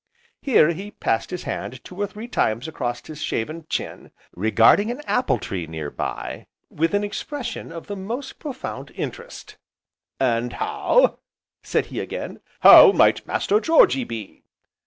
Here he passed his hand two or three times across his shaven chin, regarding an apple tree, nearby, with an expression of the most profound interest: "And how," said he again, "how might Master Georgy be?"